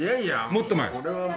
もっと前。